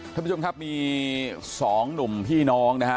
ท่านผู้ชมครับมีสองหนุ่มพี่น้องนะฮะ